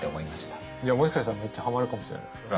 いやもしかしたらめっちゃハマるかもしれないですよ。